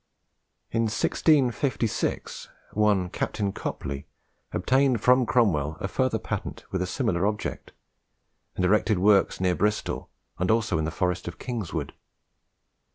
In 1656, one Captain Copley obtained from Cromwell a further patent with a similar object; and erected works near Bristol, and also in the Forest of Kingswood.